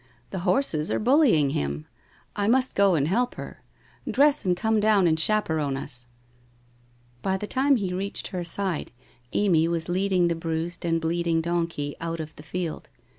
The horses are bullying him. I must go and help her. Dress and come down and chaperon us !'■ By the time he reached her side, Amy was leading the bruised and bleeding donkey out of the field.